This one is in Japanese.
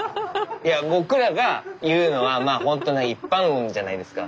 いや僕らが言うのはまあほんとに一般論じゃないですか。